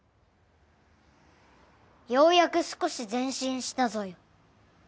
ようやく少し前進したぞよ。